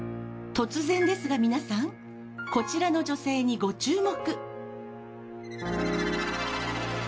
突然ですが皆さんこちらの女性にご注目。